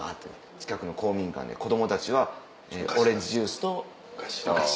近くの公民館で子供たちはオレンジジュースとお菓子。